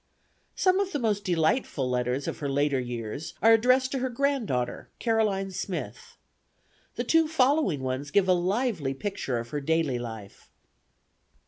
Some of the most delightful letters of her later years are addressed to her granddaughter, Caroline Smith. The two following ones give a lively picture of her daily life.